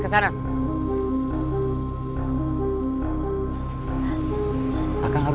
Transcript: tidak ada yang tahu